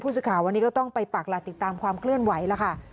ผู้สืบข่าววันนี้ก็ต้องไปปากละติดตามความเคลื่อนไหวละค่ะ